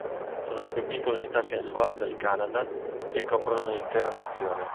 Sono le più piccole unità censuarie del Canada e coprono l'intera nazione.